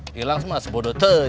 hilang semua sebodoh tuh